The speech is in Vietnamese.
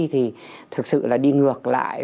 thì thực sự là đi ngược lại